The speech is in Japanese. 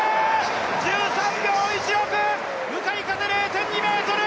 １３秒１６、向かい風０．２メートル。